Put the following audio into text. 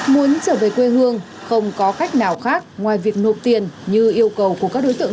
muốn trở về quê hương không có cách nào khác ngoài việc nộp tiền như yêu cầu của các đối tượng